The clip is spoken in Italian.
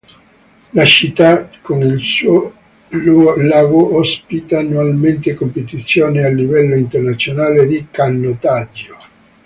La città con il suo lago ospita annualmente competizioni a livello internazionale di canottaggio.